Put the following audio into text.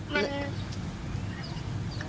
มัน